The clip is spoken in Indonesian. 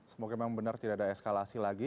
semoga memang benar tidak ada eskalasi lagi